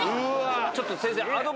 ちょっと先生。